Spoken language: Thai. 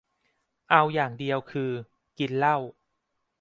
เอาอย่างเดียวคือ กินเหล้า